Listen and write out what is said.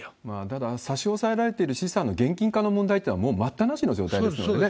ただ、差し押さえられてる資産の現金化の問題というのは、もう待ったなしの問題ですよね。